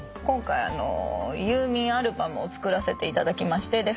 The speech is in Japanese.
今回ユーミンアルバムを作らせていただきまして。